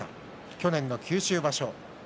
去年の九州場所です。